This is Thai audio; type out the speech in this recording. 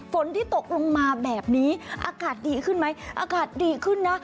ฝนที่ตกลงมาแบบนี้อากาศดีขึ้นไหมอากาศดีขึ้นนะ